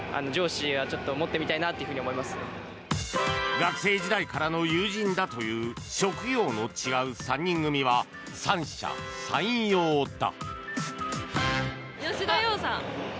学生時代からの友人だという職業の違う３人組は三者三様だ。